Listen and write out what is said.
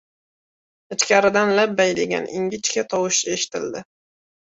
— Ichkaridan «labbay» degan ingichka tovush eshitildi.